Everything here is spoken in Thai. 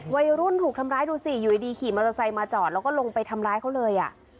วัยรุ่นถูกทำร้ายดูสิอยู่ดีขี่มอเตอร์ไซค์มาจอดแล้วก็ลงไปทำร้ายเขาเลยอ่ะ